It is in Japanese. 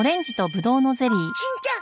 しんちゃん